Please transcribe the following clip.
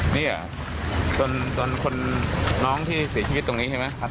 เนี่ยจนคนน้องที่เสียชีวิตตรงนี้ใช่ไหมครับ